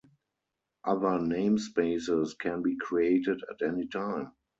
Other namespaces can be created at any time.